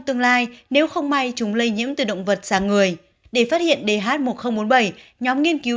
tương lai nếu không may chúng lây nhiễm từ động vật sang người để phát hiện dh một nghìn bốn mươi bảy nhóm nghiên cứu